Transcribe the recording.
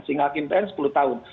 sehingga hakim pn sepuluh tahun